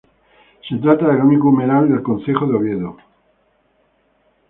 Se trata del único humedal del concejo de Oviedo.